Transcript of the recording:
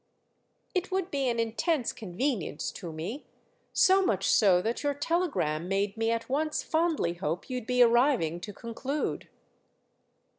"It would be an intense convenience to me—so much so that your telegram made me at once fondly hope you'd be arriving to conclude."